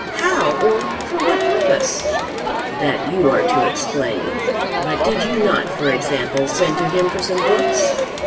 How, or for what purpose?' 'That you are to explain. But did you not, for example, send to him for some books?'